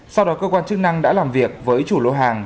sau đó cơ quan chức năng đã làm việc với chủ lô hàng